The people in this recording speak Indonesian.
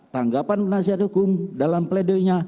tanggapan penasihat hukum dalam pledoinya